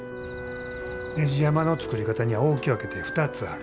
ねじ山の作り方には大き分けて２つある。